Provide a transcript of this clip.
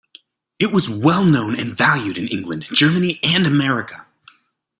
It was well known and valued in England, Germany and America.